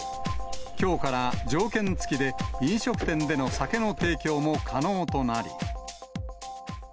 きょうから条件つきで、飲食店での酒の提供も可能となり。